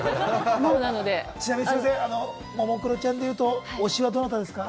ちなみに、ももクロちゃんでいうと推しはどなたですか？